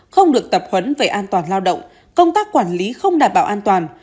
không được tập huấn về an toàn lao động công tác quản lý không đảm bảo an toàn